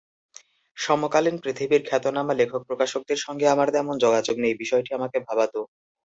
সমকালীন পৃথিবীর খ্যাতনামা লেখক-প্রকাশকদের সঙ্গে আমাদের তেমন যোগাযোগ নেই—বিষয়টি আমাকে ভাবাত।